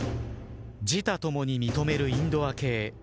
自他共に認めるインドア系。